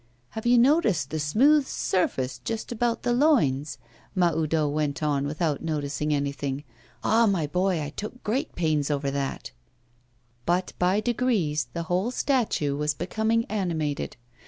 'Have you noticed the smooth surface just about the loins?' Mahoudeau went on, without noticing anything. 'Ah, my boy, I took great pains over that!' But by degrees the whole statue was becoming animated.